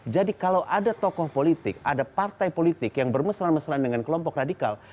jadi kalau ada tokoh politik ada partai politik yang bermesra mesra dengan kelompok radikal